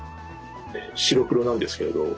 白黒なんですけど。